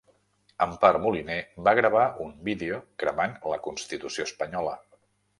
Empar Moliner va gravar un vídeo cremant la constitució espanyola